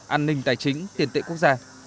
an ninh tài chính tiền tệ quốc gia